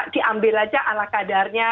diambil saja ala kadarnya